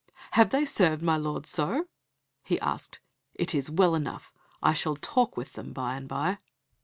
"Have they served my lord so?" he asked. "It is well enough; I shall talk with them by and by."